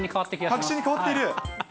確信に変わっている？